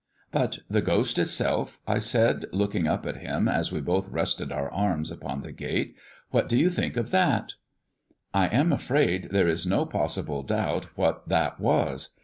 "But the ghost itself?" I said, looking up at him as we both rested our arms upon the gate. "What do you think of that?" "I am afraid there is no possible doubt what that was.